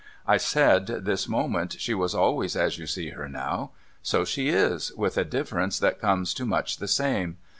I said, this moment, she was always as you see her now. So she is, with a difference that comes to much the same.